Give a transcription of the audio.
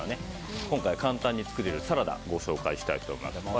今回は簡単に作れるサラダをご紹介したいと思います。